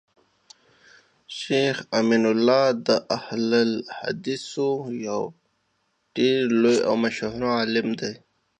شيخ امین الله د اهل الحديثو يو ډير لوی او مشهور عالم دی